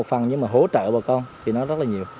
phần nhưng mà hỗ trợ bà con thì nó rất là nhiều